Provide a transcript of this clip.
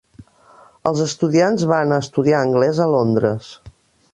Els estudiants van a estudiar anglès a Londres